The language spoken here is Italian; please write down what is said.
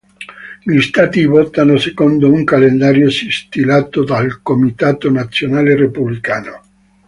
Gli Stati votano secondo un calendario stilato dal Comitato Nazionale Repubblicano.